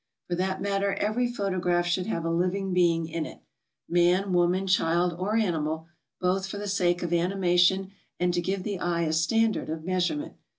For that matter every photograph should have a living being in it, — man, woman, child, or animal, — both for the sake of animation and to give the eye a standard of measurement.